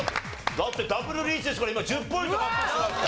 だってダブルリーチですから今１０ポイント獲得しました。